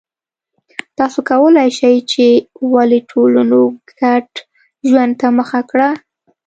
تاسو کولای شئ چې ولې ټولنو ګډ ژوند ته مخه کړه